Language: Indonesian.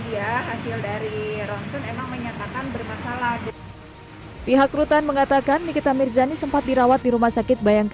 dia hasil dari ronson emang menyatakan bermasalah pihak rutan mengatakan nikita mirzani sempat dirawat